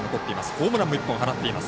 ホームランも１本、放っています。